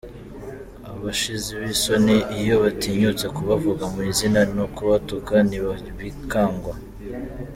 Abashizi bisoni iyo batinyutse kubavuga mu izina ;no kubatuka ntibabikangwa.